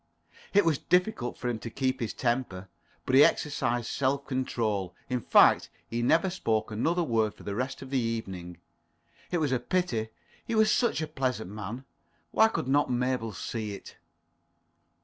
It was difficult for him to keep his temper. But he exercised self control. In fact, he never spoke another word for the rest of the evening. It was a pity. He was such a pleasant man. Why could not Mabel see it?